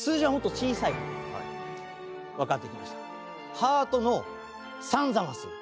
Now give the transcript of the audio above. ハートの３ザマス。